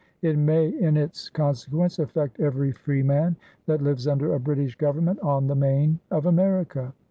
It may in its consequence affect every freeman that lives under a British government on the main of America!